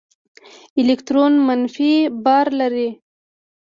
الکترون منفي بار لري.